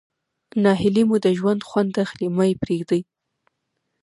ناهلي مو د ژوند خوند اخلي مه ئې پرېږدئ.